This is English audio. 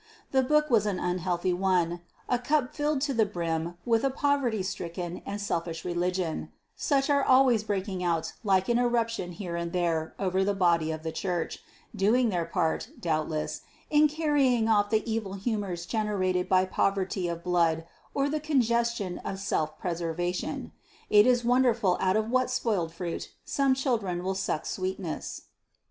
The book was an unhealthy one, a cup filled to the brim with a poverty stricken and selfish religion: such are always breaking out like an eruption here and there over the body of the Church, doing their part, doubtless, in carrying off the evil humours generated by poverty of blood, or the congestion of self preservation. It is wonderful out of what spoiled fruit some children will suck sweetness.